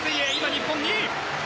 日本は２位。